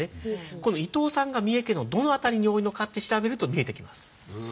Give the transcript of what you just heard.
この伊藤さんが三重県のどの辺りに多いのかって調べると見えてきます。